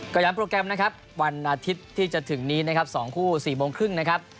ก็ย้ำโปรแกรมนะครับวันอาทิตย์ที่จะถึงนี้นะครับ๒คู่๔โมงครึ่งนะครับ